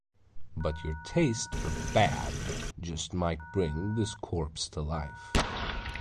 But your taste for 'bad' just might bring this Corpse to life.